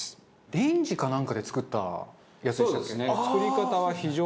レンジかなんかで作ったやつでしたっけね。